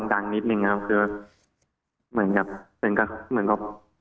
ดังนิดนึงครับคือเหมือนกับเส็งกับเหมือนก็